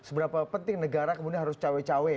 seberapa penting negara kemudian harus cawe cawe